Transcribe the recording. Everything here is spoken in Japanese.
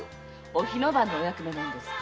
お火の番のお役目なんですって。